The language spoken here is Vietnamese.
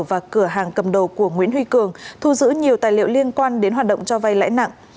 và cửa hàng cầm đồ của nguyễn huy cường thu giữ nhiều tài liệu liên quan đến hoạt động cho vay lãi nặng